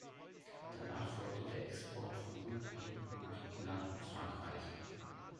Danach folgte der Export von Guhl-Produkten nach England und Frankreich.